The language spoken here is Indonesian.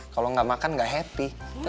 kalau gak makan gak happy